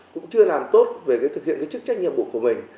cũng chưa làm tốt về thực hiện chức trách nhiệm vụ của mình